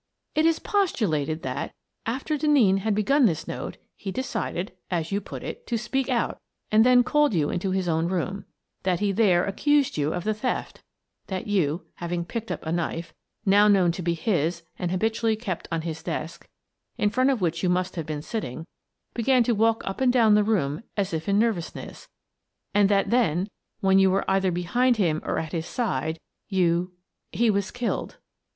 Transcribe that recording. " It is postulated that, after Denneen had begun this note, he decided, as you put it, to speak out and then called you into his own room; that he there ac cused you of the theft ; that you, having picked up a knife, — now known to be his and habitually kept on his desk, in front of which you must have been sitting, — began to walk up and down the room as if in nervousness, and that then, when you were either behind him, or at his side, you — he was killed."